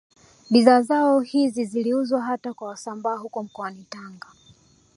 Bidhaa zao hizi ziliuzwa hata kwa Wasambaa huko mkoani Tanga